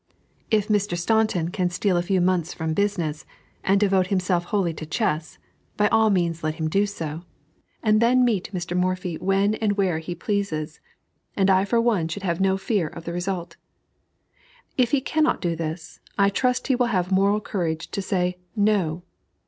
If Mr. Staunton can steal a few months from business, and devote himself wholly to chess, by all means let him do so, and then meet Mr. Morphy when and where he pleases, and I for one should have no fear for the result. If he cannot do this, I trust he will have moral courage to say "No."